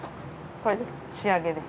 これで仕上げです。